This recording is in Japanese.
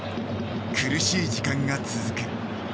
苦しい時間が続く。